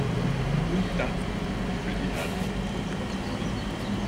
Und dank ihm für die herrliche Geburtstagstorte.